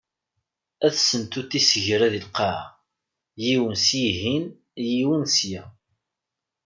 Ad sentunt isegra deg lqaɛa, yiwen sihin, yiwen sya.